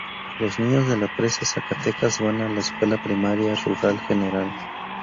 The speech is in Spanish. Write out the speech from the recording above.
Los niños de La Presa, Zacatecas van a la escuela primaria rural Gral.